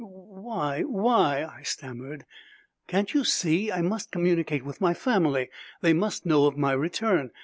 "Why why " I stammered, "can't you see? I must communicate with my family. They must know of my return.